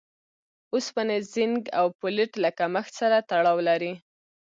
اوسپنې، زېنک او فولېټ له کمښت سره تړاو لري.